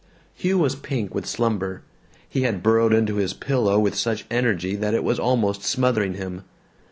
Hugh was pink with slumber. He had burrowed into his pillow with such energy that it was almost smothering him.